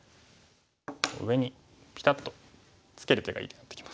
上にピタッとツケる手がいい手になってきます。